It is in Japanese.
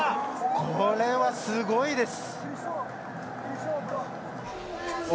これはすごいです。